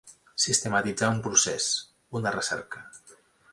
Sistematitzar un procés, una recerca.